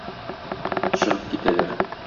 Чыгып китәләр.